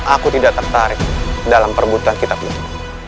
aku tidak tertarik dalam perbutuhan kitab itu